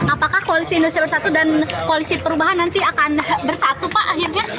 apakah koalisi indonesia bersatu dan koalisi perubahan nanti akan bersatu pak akhirnya